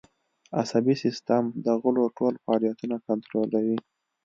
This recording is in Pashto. عصبي سیستم د غړو ټول فعالیتونه کنترولوي